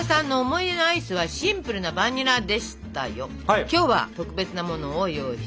今日は特別なものを用意しております。